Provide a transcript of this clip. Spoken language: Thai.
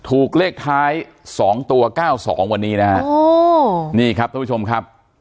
ถูกเลขท้ายสองตัวเก้าสองวันนี้นะฮะอ๋อนี่ครับทุกผู้ชมครับ